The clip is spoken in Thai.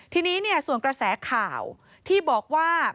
ทีนี้ส่วนกระแสข่าวที่บอกว่า